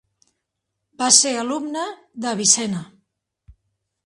Va ser alumne d'Avicena.